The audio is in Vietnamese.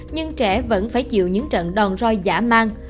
nhưng trẻ vẫn phải chịu những trận đòn roi giả mang